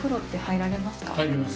入ります。